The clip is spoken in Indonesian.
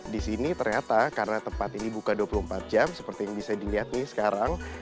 di sini ternyata karena tempat ini buka dua puluh empat jam seperti yang bisa dilihat nih sekarang